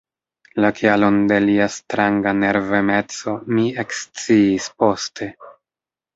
La kialon de lia stranga nervemeco mi eksciis poste.